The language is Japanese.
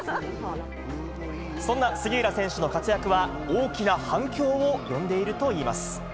そんな杉浦選手の活躍は、大きな反響を呼んでいるといいます。